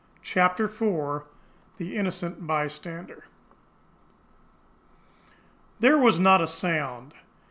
CHAPTER IV THE INNOCENT BYSTANDER There was not a sound.